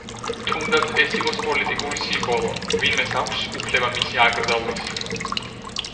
თუნდაც ეს იყოს პოლიტიკური სიმბოლო, ვინმეს აქვს უფლება მისი აკრძალვის?